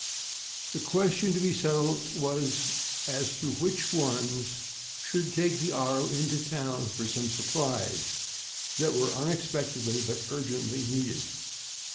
The question to be settled was as to what ones should take the auto into town for some supplies that were unexpectedly but urgently needed.